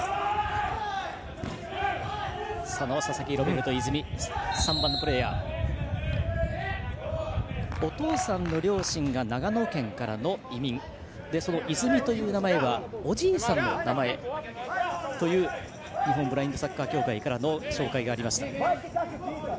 佐々木ロベルト泉お父さんの両親が長野県からの移民泉という名前はおじいさんの名前という日本ブラインドサッカー協会の紹介がありました。